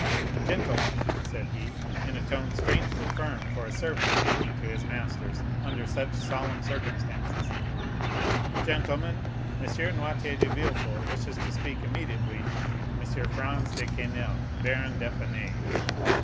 "Gentlemen," said he, in a tone strangely firm for a servant speaking to his masters under such solemn circumstances,—"gentlemen, M. Noirtier de Villefort wishes to speak immediately to M. Franz de Quesnel, baron d'Épinay."